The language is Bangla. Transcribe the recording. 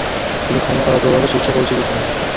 তিনি ক্ষমতা ও প্রভাবে শীর্ষে পৌঁছে গিয়েছিলেন।